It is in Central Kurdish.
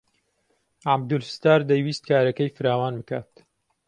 عەبدولستار دەیویست کارەکەی فراوان بکات.